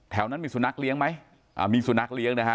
แถวนั้นมีสุนัขเลี้ยงไหมอ่ามีสุนัขเลี้ยงนะฮะ